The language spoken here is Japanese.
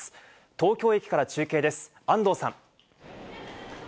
東京駅から中継です、安藤さん。